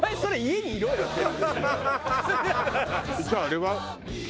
じゃああれは？